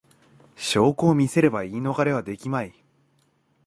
証拠を見せれば言い逃れはできまい